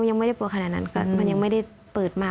ยังไม่ได้ปวดขนาดนั้นค่ะมันยังไม่ได้เปิดมา